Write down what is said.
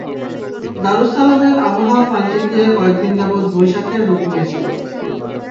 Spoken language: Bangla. দারুস সালামের আবহাওয়া পাল্টে গিয়ে কয়েক দিন যাবৎ বৈশাখের রূপ নিয়েছিল।